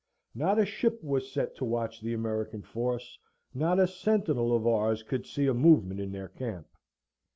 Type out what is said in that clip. Not a ship was set to watch the American force; not a sentinel of ours could see a movement in their camp.